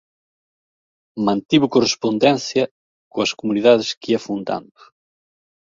Mantivo correspondencia coas comunidades que ía fundando.